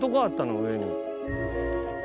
上に。